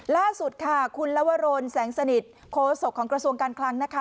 ล่าสุดค่ะคุณลวรนแสงสนิทโคศกของกระทรวงการคลังนะคะ